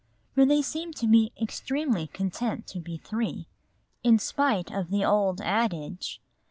For they seemed to be extremely content to be three, in spite of the old adage.